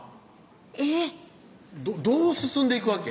えぇっどう進んでいくわけ？